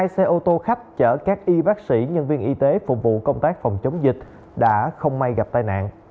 hai xe ô tô khách chở các y bác sĩ nhân viên y tế phục vụ công tác phòng chống dịch đã không may gặp tai nạn